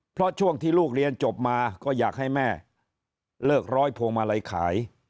เพราะช่วงที่ลูกเรียนจบมาก็อยากให้แม่เลิกร้อยพวงมาลัยขาย